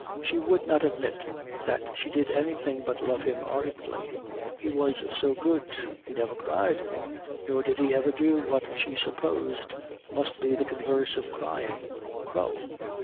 She would not admit that she did anything but love him ardently. He was so good. He never cried. Nor did he ever do what she supposed must be the converse of crying, crow.